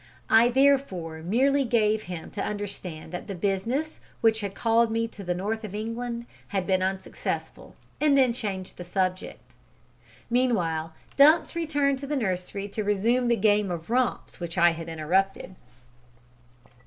I therefore merely gave him to understand that the business which had called me to the north of England had been unsuccessful, and then changed the subject. Meanwhile Dumps returned to the nursery to resume the game of romps which I had interrupted.